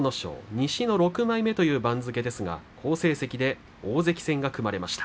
西の６枚目という番付ですが好成績で大関戦が組まれました。